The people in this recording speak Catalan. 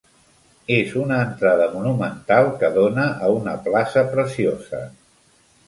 És una entrada monumental que dóna a una plaça preciosa.